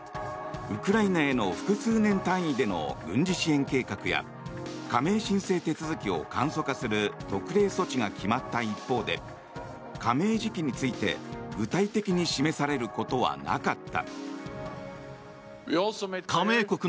ウクライナへの複数年単位での軍事支援計画や加盟申請手続きを簡素化する特例措置が決まった一方で加盟時期について具体的に示されることはなかった。